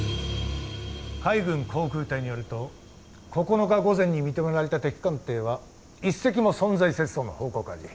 海軍航空隊によると９日午前に認められた敵艦艇は一隻も存在せずとの報告あり。